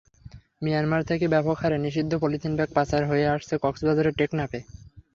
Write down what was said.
Myanmar থেকে ব্যাপক হারে নিষিদ্ধ পলিথিন ব্যাগ পাচার হয়ে আসছে কক্সবাজারের টেকনাফে।